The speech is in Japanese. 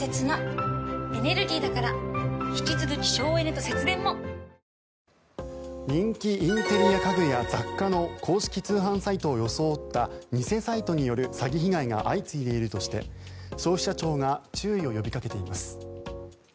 これでも色んなところに応用して人気インテリア家具や雑貨の公式通販サイトを装った偽サイトによる詐欺被害が相次いでいるとして消費者庁が注意を呼びかけています。